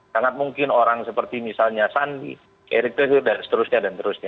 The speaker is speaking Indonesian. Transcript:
sangat mungkin orang seperti misalnya sandi erick thohir dan seterusnya dan seterusnya